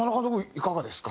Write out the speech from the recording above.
いかがですか？